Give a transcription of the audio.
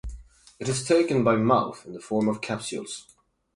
It is taken by mouth in the form of capsules.